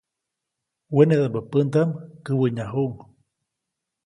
Wenedaʼmbä pändaʼm käwäʼnyajuʼuŋ.